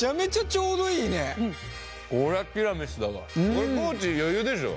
これ地余裕でしょ？